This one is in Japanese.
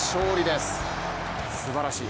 すばらしい。